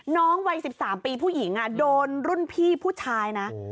วัย๑๓ปีผู้หญิงโดนรุ่นพี่ผู้ชายนะ